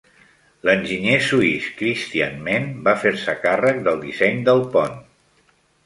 L'enginyer suís Christian Menn va fer-se càrrec del disseny del pont.